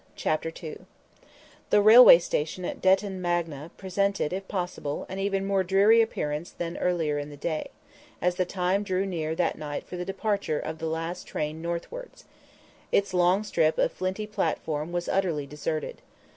CHAPTER II The railway station at Detton Magna presented, if possible, an even more dreary appearance than earlier in the day, as the time drew near that night for the departure of the last train northwards. Its long strip of flinty platform was utterly deserted.